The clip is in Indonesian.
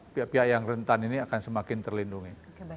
pihak pihak yang rentan ini akan semakin terlindungi